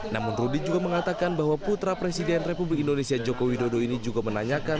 namun rudy juga mengatakan bahwa putra presiden republik indonesia joko widodo ini juga menanyakan